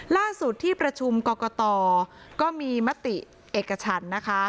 ล่าสุดที่ประชุมกรกตก็มีมติเอกชันนะคะ